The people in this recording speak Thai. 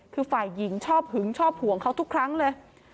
คือฝ่ายหญิงชอบหึงชอบห่วงเขาทุกครั้งเลย